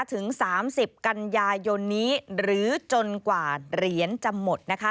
ถึง๓๐กันยายนนี้หรือจนกว่าเหรียญจะหมดนะคะ